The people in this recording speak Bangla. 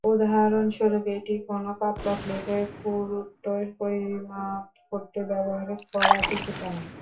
উদাহরণস্বরূপ, এটি কোনো পাতলা প্লেটের পুরুত্ব পরিমাপ করতে ব্যবহার করা যেতে পারে।